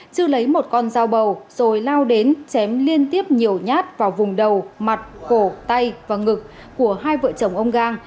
chưa lấy một con dao bầu rồi lao đến chém liên tiếp nhiều nhát vào vùng đầu mặt cổ tay và ngực của hai vợ chồng ông gang